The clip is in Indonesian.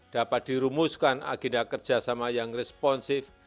dapat dirumuskan agenda kerjasama yang responsif